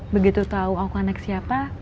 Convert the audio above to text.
begitu tau aku anak siapa